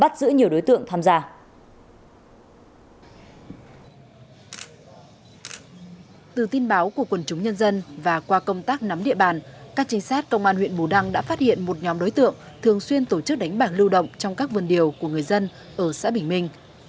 trong các trinh sát công an huyện bù đăng đã phát hiện một nhóm đối tượng thường xuyên tổ chức đánh bảng lưu động trong các vườn điều của người dân ở xã bình minh